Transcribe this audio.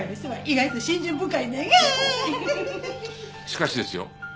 しかしですよ